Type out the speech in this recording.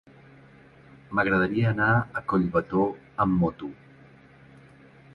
M'agradaria anar a Collbató amb moto.